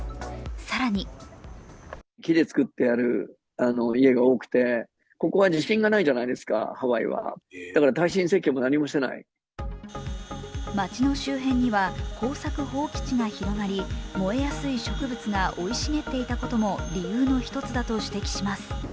更に街の周辺には耕作放棄地が広がり燃えやすい植物が生い茂っていたことも理由の一つだと指摘します。